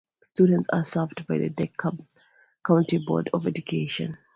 Students are served by the DeKalb County Board of Education.